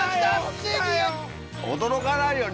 驚かないよ